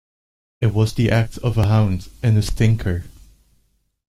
It was the act of a hound and a stinker.